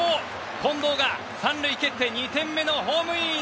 近藤が３塁蹴って２点目のホームイン！